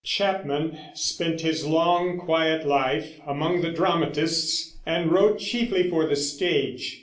Chapman spent his long, quiet life among the dramatists, and wrote chiefly for the stage.